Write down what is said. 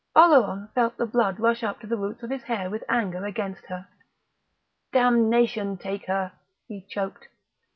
Oleron felt the blood rush up to the roots of his hair with anger against her. "Damnation take her!" he choked....